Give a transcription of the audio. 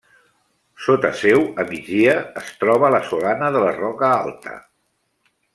Sota seu, a migdia, es troba la Solana de la Roca Alta.